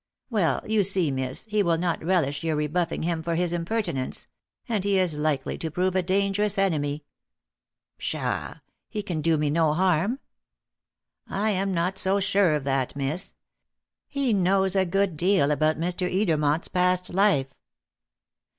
"Well, you see, miss, he will not relish your rebuffing him for his impertinence; and he is likely to prove a dangerous enemy." "Pshaw! He can do me no harm." "I am not so sure of that, miss. He knows a good deal about Mr. Edermont's past life."